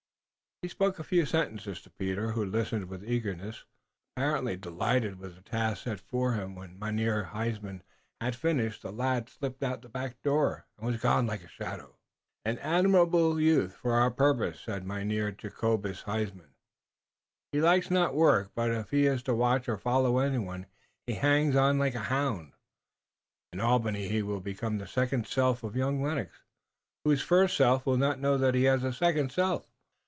He spoke a few sentences to Peter, who listened with eagerness, apparently delighted with the task set for him. When Mynheer Huysman had finished the lad slipped out at a back door, and was gone like a shadow. "An admirable youth for our purpose," said Mynheer Jacobus Huysman. "He likes not work, but if he is to watch or follow anyone he hangs on like a hound. In Albany he will become the second self of young Lennox, whose first self will not know that he has a second self."